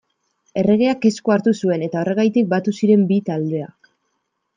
Erregeak esku hartu zuen, eta horregatik batu ziren bi taldeak.